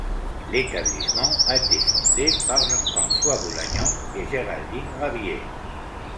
L'établissement a été fondé par Jean-François Boulagnon et Géraldine Rabier.